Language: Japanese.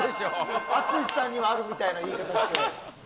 淳さんにはあるみたいな言い方して。